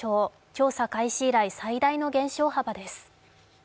調査開始以来最大の減少幅です。